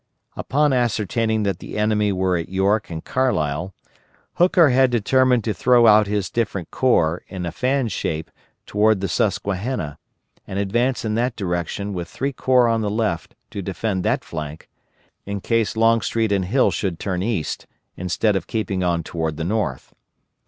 Upon ascertaining that the enemy were at York and Carlisle, Hooker had determined to throw out his different corps in a fan shape toward the Susquehanna, and advance in that direction with three corps on the left to defend that flank, in case Longstreet and Hill should turn East, instead of keeping on toward the North.